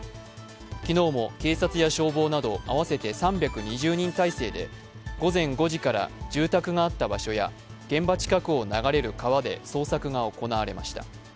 昨日も警察や消防など、合わせて３２０人態勢で午前５時から住宅があった場所や現場近くを流れる川で捜索が行われました。